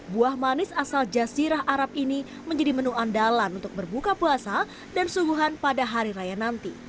buah manis asal jasirah arab ini menjadi menu andalan untuk berbuka puasa dan subuhan pada hari raya nanti